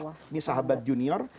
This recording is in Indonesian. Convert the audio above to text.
ini sahabat junior